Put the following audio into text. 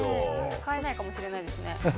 使えないかもしれないですね。